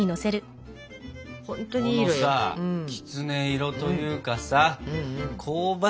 このさきつね色というかさ香ばしく